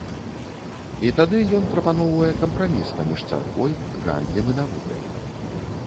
І тады ён прапаноўвае кампраміс паміж царквой, гандлем і навукай.